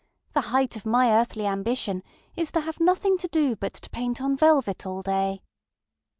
The height of my earthly ambition is to have nothing to do but to paint on velvet all day!